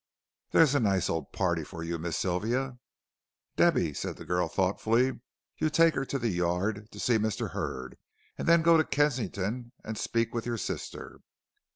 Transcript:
"There's a nice ole party fur you, Miss Sylvia?" "Debby," said the girl, thoughtfully. "You take her to the Yard to see Mr. Hurd, and then go to Kensington to speak with your sister."